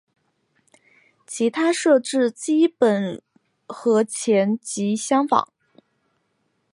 其他设计基本和前级相仿。